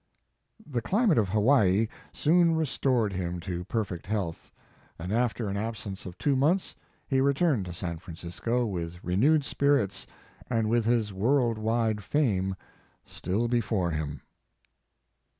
The climate of Hawaii soon restored 66 Mark Twain him to perfect health, and after an ab sence of two months, he returned to San Francisco, with renewed spirits, and with his world wide fame still before him.